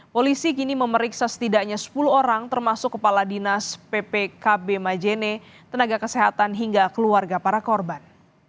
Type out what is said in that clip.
polisi kini memeriksa setidaknya sepuluh orang termasuk kepala dinas ppkb majene tenaga kesehatan hingga keluarga para korban